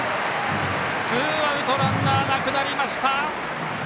ツーアウト、ランナーなくなりました。